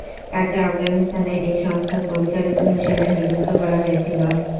তাকে আফগানিস্তানে এই সংস্থার পরিচালিত মিশনে নিযুক্ত করা হয়েছিল।